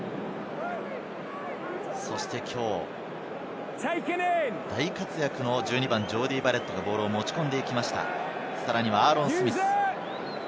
そしてきょう、大活躍の１２番、ジョーディー・バレットがボールを持ち込んでいきました。